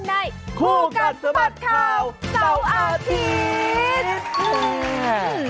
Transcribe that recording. ในคู่กัดสบัดข่าวเศร้าอาทิตย์